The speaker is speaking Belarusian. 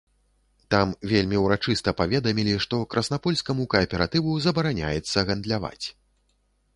Там вельмі ўрачыста паведамілі, што краснапольскаму кааператыву забараняецца гандляваць.